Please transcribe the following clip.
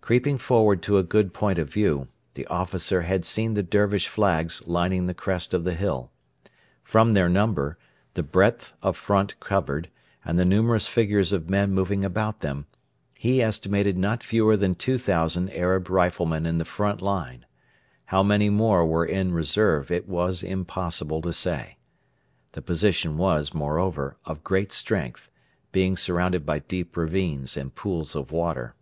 Creeping forward to a good point of view, the officer had seen the Dervish flags lining the crest of the hill. From their number, the breadth of front covered, and the numerous figures of men moving about them, he estimated not fewer than 2,000 Arab riflemen in the front line. How many more were in reserve it was impossible to say. The position was, moreover, of great strength, being surrounded by deep ravines and pools of water.